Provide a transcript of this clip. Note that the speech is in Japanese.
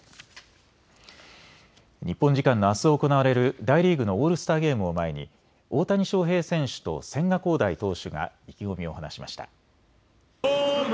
日本時間のあす行われる大リーグのオールスターゲームを前に大谷翔平選手と千賀滉大投手が意気込みを話しました。